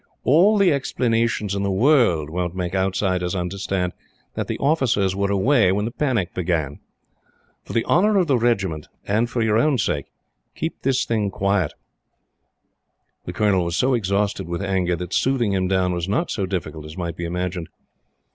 All the explanations in the world won't make outsiders understand that the officers were away when the panic began. For the honor of the Regiment and for your own sake keep this thing quiet." The Colonel was so exhausted with anger that soothing him down was not so difficult as might be imagined.